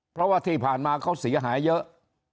เพราะว่าที่ผ่านมาเขาเสียหายเยอะ